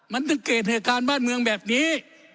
มันถึงเกิดเหตุการณ์บ้านเมืองแบบนี้